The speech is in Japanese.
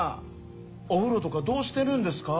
お風呂とかどうしてるんですか？